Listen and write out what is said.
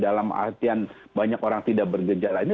dalam artian banyak orang tidak bergejar lain